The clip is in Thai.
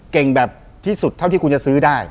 แบบที่สุดเท่าที่คุณจะซื้อได้